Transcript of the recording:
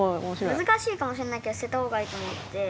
難しいかもしんないけど捨てた方がいいと思って。